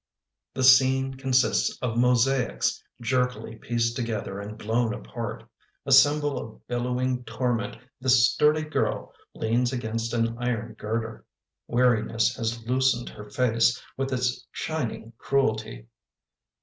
The scene consists of mosaics Jerkily pieced together and blown apart. A symbol of billowing torment, This sturdy girl leans against an iron girder. Weariness has loosened her face With its shining cruelty.